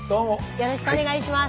よろしくお願いします。